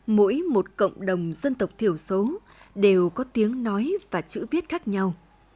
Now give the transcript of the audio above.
mỗi một cộng đồng dân tộc thiểu số đều có tiếng nói và chữ viết khác nhau